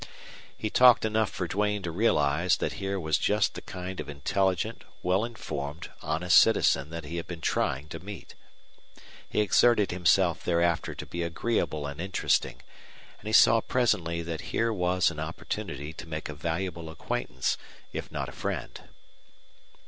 He talked enough for Duane to realize that here was just the kind of intelligent, well informed, honest citizen that he had been trying to meet. He exerted himself thereafter to be agreeable and interesting; and he saw presently that here was an opportunity to make a valuable acquaintance, if not a friend.